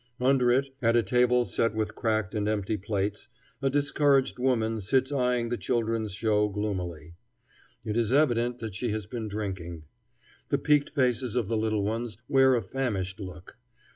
Under it, at a table set with cracked and empty plates, a discouraged woman sits eying the children's show gloomily. It is evident that she has been drinking. The peaked faces of the little ones wear a famished look.